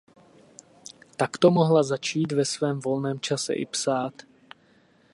Takto mohla začít ve svém volném čase i psát.